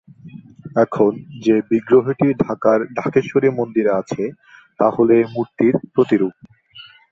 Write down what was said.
এখন যে বিগ্রহটি ঢাকার ঢাকেশ্বরী মন্দিরে আছে তা হলো এই মূর্তির প্রতিরূপ।